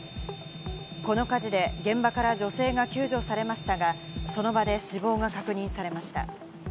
この火事で現場から女性が救助されましたが、その場で死亡が確認されました。